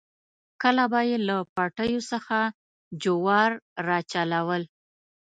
کله به یې له پټیو څخه جوار راچلول.